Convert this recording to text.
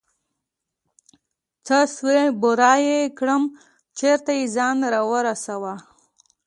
څه سوې بوره يې كړم چېرته يې ځان راورسوه.